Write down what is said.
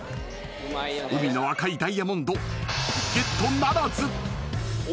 ［海の赤いダイヤモンドゲットならず］